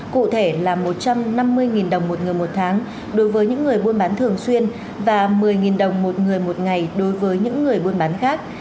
cụ thể là một trăm năm mươi đồng một người một tháng đối với những người buôn bán thường xuyên và một mươi đồng một người một ngày đối với những người buôn bán khác